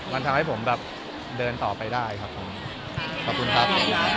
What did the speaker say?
มันทำให้ผมแบบเดินต่อไปได้ครับผมขอบคุณครับ